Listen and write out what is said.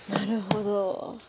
なるほど。